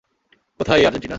কোথায় এই আর্জেন্টিনা?